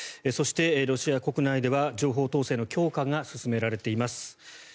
そして、ロシア国内では情報統制の強化が進められています。